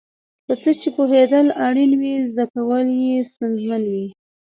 په څه چې پوهېدل اړین وي زده کول یې ستونزمن وي.